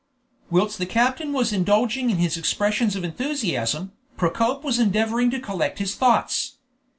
Whilst the captain was indulging in his expressions of enthusiasm, Procope was endeavoring to collect his thoughts.